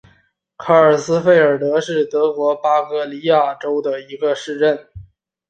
卡尔斯费尔德是德国巴伐利亚州的一个市镇。